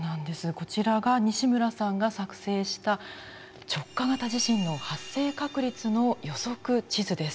こちらが西村さんが作成した直下型地震の発生確率の予測地図です。